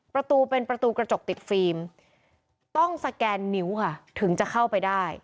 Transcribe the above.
ประตูเป็นประตูกระจกติดฟิล์มต้องสแกนนิ้วค่ะถึงจะเข้าไปได้